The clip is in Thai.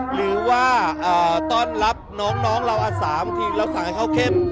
หรือว่าต้อนรับน้องเราอาสาบางทีเราสั่งให้เขาเข้ม